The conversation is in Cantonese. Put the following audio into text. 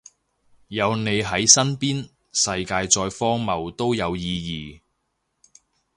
有你喺身邊，世界再荒謬都有意義